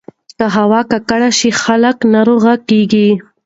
که هوا ککړه شي، خلک ناروغ کېږي.